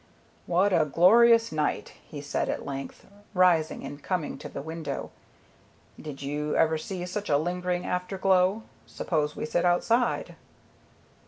"What a glorious night," he said at length, rising and coming to the window. "Did you ever see such a lingering afterglow? Suppose we sit outside."